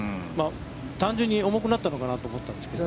単純に重くなったのかなと思ったんですけど。